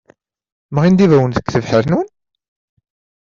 Mɣin-d ibawen deg tebḥirt-nwen?